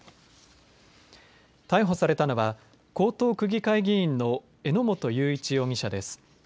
逮捕されたのは江東区議会議員の榎本雄一容疑者です。